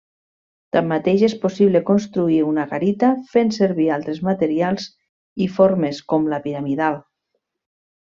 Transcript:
Tanmateix és possible construir una garita fent servir altres materials i formes com la piramidal.